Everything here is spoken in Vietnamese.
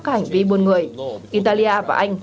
các hành vi buôn người italia và anh